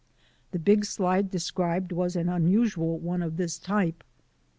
The big slide described was an unusual one of this type.